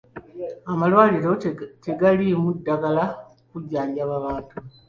Amalwaliro tegaliimu ddagala kujjanjaba bantu .